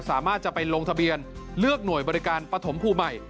สามารถจะไปลงทะเบียนเลือกหน่วยบริการปฐมภูมิใหม่